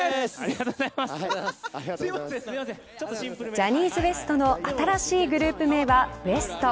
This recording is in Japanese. ジャニーズＷＥＳＴの新しいグループ名はＷＥＳＴ．